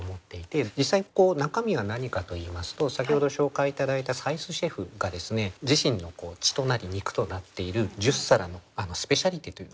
実際中身は何かといいますと先ほど紹介頂いた斉須シェフが自身の血となり肉となっている十皿のスペシャリテと言うのかな？